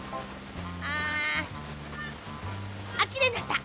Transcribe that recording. ああっきれいになった！